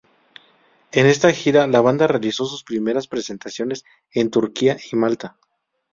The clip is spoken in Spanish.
En esta gira, la banda realizó sus primeras presentaciones en Turquía y Malta.